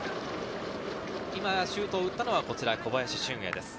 今、シュートを打ったのは小林俊瑛です。